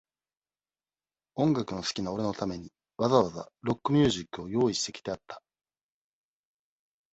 音楽の好きな俺のために、わざわざ、ロックミュージックを用意してきてあった。